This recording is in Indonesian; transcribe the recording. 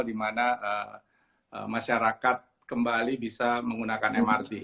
di mana masyarakat kembali bisa menggunakan mrt